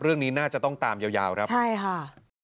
เรื่องนี้น่าจะต้องตามยาวครับใช่ค่ะ